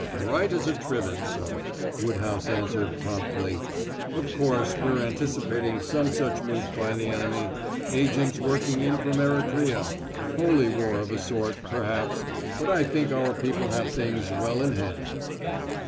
"Right as a trivet, sir," Woodhouse answered promptly. "Of course we're anticipating some such move by the enemy agents working in from Erythrea holy war of a sort, perhaps, but I think our people have things well in hand."